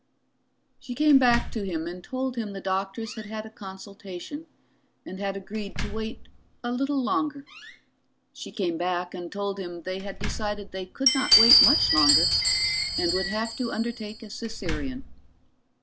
She came back to him and told him the doctors had had a consultation, and had agreed to wait a little longer. She came back and told him they had decided they could not wait much longer, and would have to undertake a Caesarean.